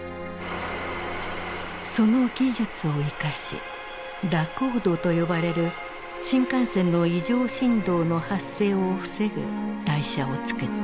その技術を生かし蛇行動と呼ばれる新幹線の異常振動の発生を防ぐ台車をつくった。